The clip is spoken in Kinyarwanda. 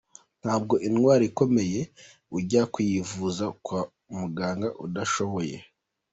Ntabwo indwara ikomeye ujya kuyivuza ku muganga udashoboye.